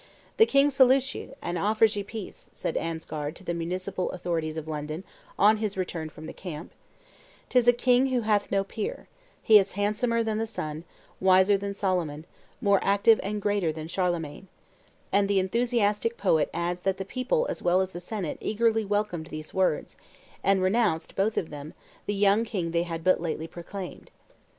"The king salutes ye, and offers ye peace," said Ansgard to the municipal authorities of London on his return from the camp: "'tis a king who hath no peer; he is handsomer than the sun, wiser than Solomon, more active and greater than Charlemagne," and the enthusiastic poet adds that the people as well as the senate eagerly welcomed these words, and renounced, both of them, the young king they had but lately proclaimed.